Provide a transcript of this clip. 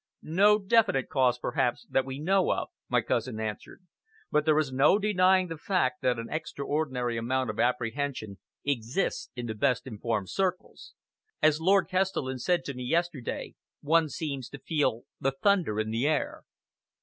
"No definite cause, perhaps, that we know of," my cousin answered; "but there is no denying the fact that an extraordinary amount of apprehension exists in the best informed circles. As Lord Kestelen said to me yesterday, one seems to feel the thunder in the air."